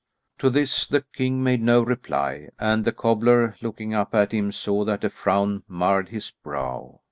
To this the king made no reply, and the cobbler, looking up at him, saw that a frown marred his brow.